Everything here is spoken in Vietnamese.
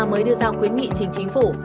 mới đưa ra khuyến nghị chính chính phủ